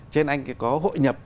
cho nên anh có hội nhập